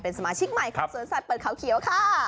สมาชิกใหม่ของสวนสัตว์เปิดเขาเขียวค่ะ